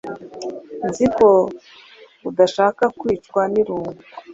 Nzi ko udashaka kwicwa nirungu.